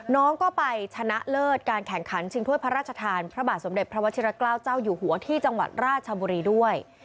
น้องก็ไปชนะเลิศการแข่งขันชิงถ้วยพระราชทานพระบาทสมเด็จพระวชิรเกล้าเจ้าอยู่หัวที่จังหวัดราชบุรีด้วย